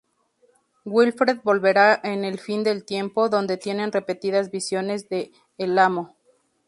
Wilfred volverá en "El fin del tiempo", donde tiene repetidas visiones de El Amo.